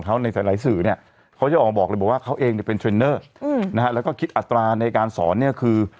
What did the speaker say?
เขาจะออกมาบอกเลยบอกว่าเขาเองเนี่ยเป็นเทรนเนอร์อืมนะฮะแล้วก็คิดอัตราในการสอนเนี่ยคือ